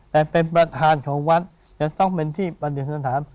แต่เป็นประธานของวัดจะต้องเป็นที่ประดิษฐาน